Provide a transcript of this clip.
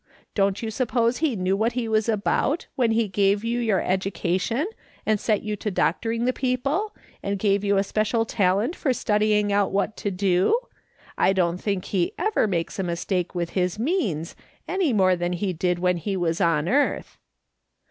Don't you suppose he knew what he was about when he gave you your education, and set you to doctoring the people, and gave you a special talent for studying out what to do ? I don't think he ever makes a mistake with his means any more than he did when he was on earth.